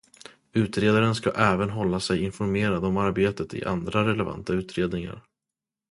Utredaren ska även hålla sig informerad om arbetet i andra relevanta utredningar.